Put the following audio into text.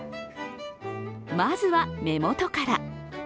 まずは目元から。